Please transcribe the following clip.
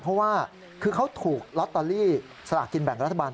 เพราะว่าคือเขาถูกลอตเตอรี่สลากกินแบ่งรัฐบาล